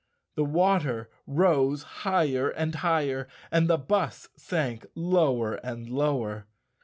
The water rose higher and higher and the bus sank lower and lower.